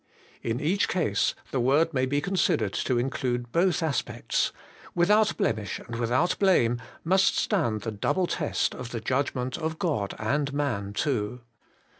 In each case the word may be considered to include both aspects: without blemish and without blame must stand the double test of the judgment of God and man too.